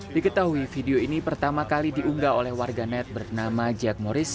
diketahui video ini pertama kali diunggah oleh warga net bernama jack morris